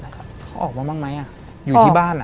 เขาออกมาบ้างไหมอยู่ที่บ้าน